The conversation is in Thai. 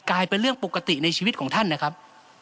เป็นเรื่องปกติในชีวิตของท่านนะครับ